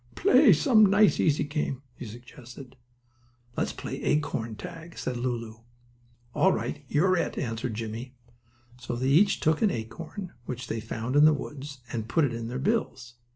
"Play some nice, easy game," he suggested. "Let's play acorn tag," said Lulu. "All right, you're it," answered Jimmie. So they each took an acorn which they found in the woods and put it in their bills.